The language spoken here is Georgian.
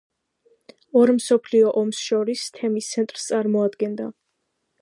ორ მსოფლიო ომს შორის თემის ცენტრს წარმოადგენდა.